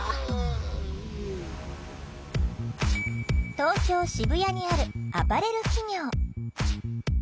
東京・渋谷にあるアパレル企業。